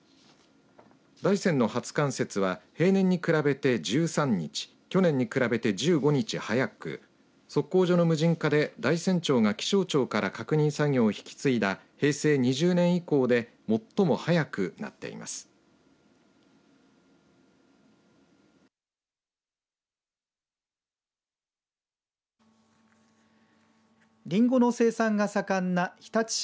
大山の初冠雪は平年に比べて１３日去年に比べて１５日早く測候所の無人化で大山町が気象庁から確認作業を引き継いだ平成２０年以降で最も早くなっています。